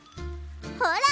ほら！